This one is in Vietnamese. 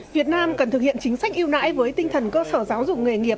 việt nam cần thực hiện chính sách ưu nãi với tinh thần cơ sở giáo dục nghề nghiệp